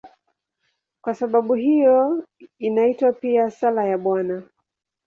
Kwa sababu hiyo inaitwa pia "Sala ya Bwana".